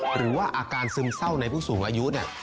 หรือว่าอาการซึมเศร้าในผู้สูงอายุเนี่ย